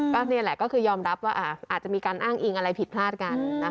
ก็นี่แหละก็คือยอมรับว่าอาจจะมีการอ้างอิงอะไรผิดพลาดกัน